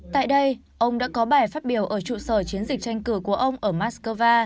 tại đây ông đã có bài phát biểu ở trụ sở chiến dịch tranh cử của ông ở moscow